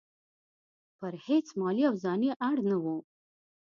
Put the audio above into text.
پر هیڅ مالي او ځاني اړ نه وو.